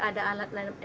oh nggak ada izin ya bu